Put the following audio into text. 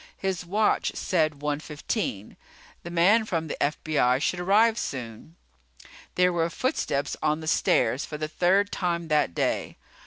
His watch said one fifteen. The man from the FBI should arrive soon. There were footsteps on the stairs for the third time that day.